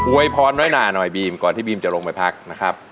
วยพรน้อยหนาหน่อยบีมก่อนที่บีมจะลงไปพักนะครับ